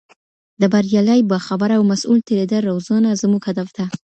د بریالي، باخبره او مسؤل ټریډر روزنه، زموږ هدف ده!